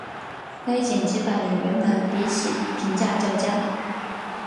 该剪辑版与原版比起评价较佳。